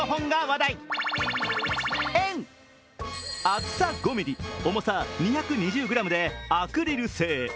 厚さ５ｍｍ、重さ２２０ｇでアクリル製。